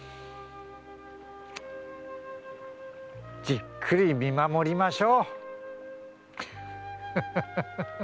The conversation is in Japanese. じっくり見守りましょう！